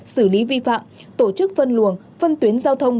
xử lý vi phạm tổ chức phân luồng phân tuyến giao thông